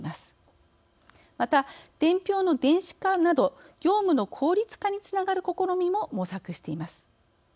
また伝票の電子化など業務の効率化につながる試みも模索しています。